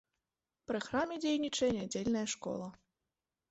Пры храме дзейнічае нядзельная школа.